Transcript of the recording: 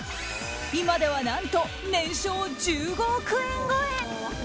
今では何と年商１５億円超え。